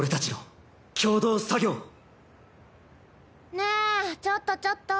ねえちょっとちょっと。